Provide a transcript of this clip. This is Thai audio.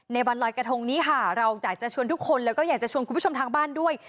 วันลอยกระทงนี้ค่ะเราอยากจะชวนทุกคนแล้วก็อยากจะชวนคุณผู้ชมทางบ้านด้วย